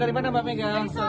dari mana mbak mega